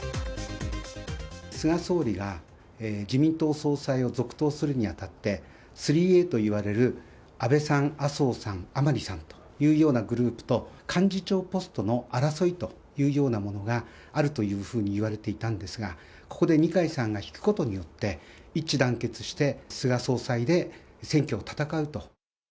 菅総理が自民党総裁を続投するにあたって、３Ａといわれる、安倍さん、麻生さん、甘利さんというようなグループと、幹事長ポストの争いというようなものが、あるというふうにいわれていたんですが、ここで二階さんが引くことによって、一致団結して菅総裁で選挙を戦うと。